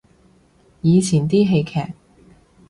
以前啲戲劇